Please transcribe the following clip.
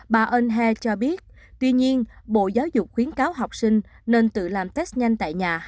bà eon he cho biết tuy nhiên bộ giáo dục khuyến cáo học sinh nên tự làm test nhanh tại nhà